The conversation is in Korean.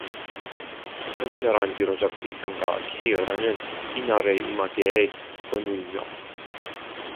건실한 지도적 비평가 K라면, 이 나라의 음악계의 권위며